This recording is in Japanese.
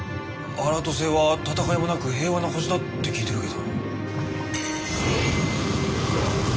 アラート星は戦いもなく平和な星だって聞いてるけど。